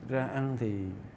ra ăn thì